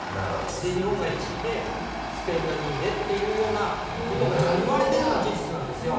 日本が１位で、スペインが２位でというようなことがちょっと、言われてるのは事実なんですよ。